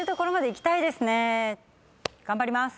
頑張ります。